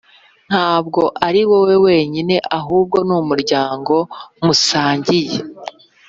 ntabwo ariwowe wenyine, ahubwo n'umuryango musangiye.